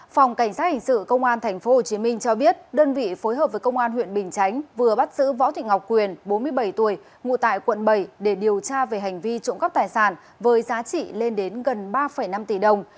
phòng cảnh sát hình sự công an tp hcm cho biết đơn vị phối hợp với công an huyện bình chánh vừa bắt giữ võ thị ngọc quyền bốn mươi bảy tuổi ngụ tại quận bảy để điều tra về hành vi trộm cắp tài sản với giá trị lên đến gần ba năm tỷ đồng